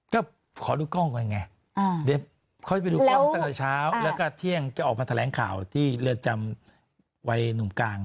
ก็ขอดูกล้องก่อนไงเดี๋ยวค่อยไปดูกล้องตั้งแต่เช้าแล้วก็เที่ยงจะออกมาแถลงข่าวที่เรือนจำวัยหนุ่มกลาง